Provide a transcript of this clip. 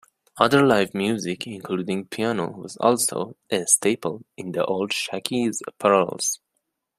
Other live music, including piano, was also a staple in the old Shakey's parlors.